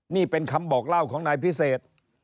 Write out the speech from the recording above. นี่เป็นคำบอกเล่าของนายพิเศษ